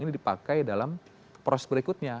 ini dipakai dalam proses berikutnya